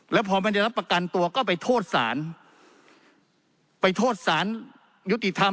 แล้วพอไม่ได้รับประกันตัวก็ไปโทษศาลไปโทษสารยุติธรรม